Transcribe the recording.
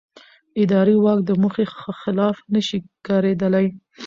اداري واک د موخې خلاف نه شي کارېدلی.